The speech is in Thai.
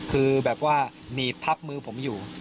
คือแบบว่าหนีบทับมือผมอยู่